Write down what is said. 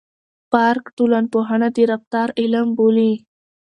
پارک ټولنپوهنه د رفتار علم بولي.